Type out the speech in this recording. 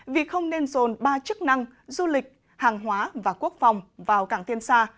vì không nên dồn ba chức năng du lịch hàng hóa và quốc phòng vào cảng tiên sa